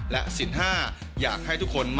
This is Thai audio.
และสิน๕อยากให้ทุกคน